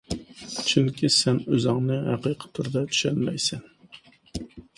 چۈنكى سەن ئۆزۈڭنى ھەقىقىي تۈردە چۈشەنمەيسەن.